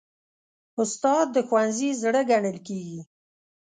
استاد د ښوونځي زړه ګڼل کېږي.